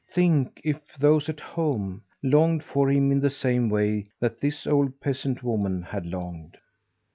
Think, if those at home longed for him in the same way that this old peasant woman had longed!